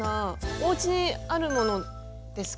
おうちにあるものですかね。